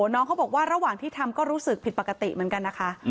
น้องเขาบอกว่าระหว่างที่ทำก็รู้สึกผิดปกติเหมือนกันนะคะ